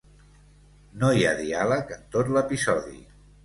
No hi ha diàleg en tot l'episodi.